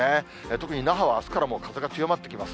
特に、那覇はあすからもう風が強まってきます。